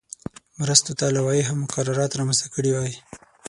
مرستو ته لوایح او مقررات رامنځته کړي وای.